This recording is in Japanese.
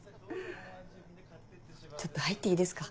ちょっと入っていいですか？